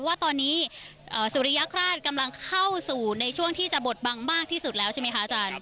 ว่าตอนนี้สุริยคราชกำลังเข้าสู่ในช่วงที่จะบดบังมากที่สุดแล้วใช่ไหมคะอาจารย์